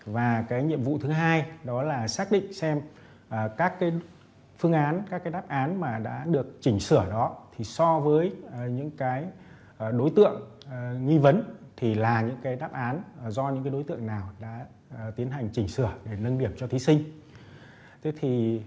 và nhiệm vụ thứ hai đó là xác định xem các phương án các đáp án mà đã được chỉnh sửa đó thì so với những cái đối tượng nghi vấn thì là những cái đáp án do những đối tượng nào đã tiến hành chỉnh sửa để nâng điểm cho thí sinh